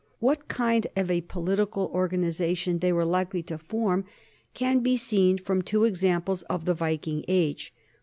What kind of a political organization they were likely to form can be seen from two examples of the Viking age.